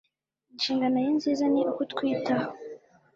Inshingano ye nziza ni ukutwitaho